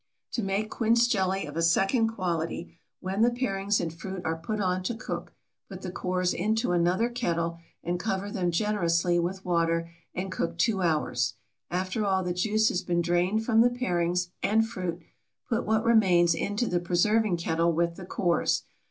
To make quince jelly of a second quality, when the parings and fruit are put on to cook put the cores into another kettle and cover them generously with water and cook two hours. After all the juice has been drained from the parings and fruit, put what remains into the preserving kettle with the cores.